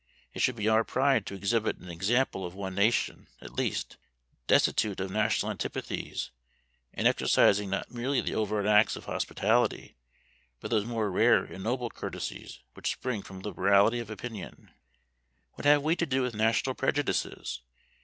It should be our pride to exhibit an example of one nation, at least, destitute of national antipathies, and exercising, not merely the overt acts of hospitality, but those more rare and noble courtesies which spring from liberality of opinion. What have we to do with national prejudices?